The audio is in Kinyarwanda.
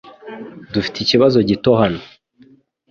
Dufite ikibazo gito hano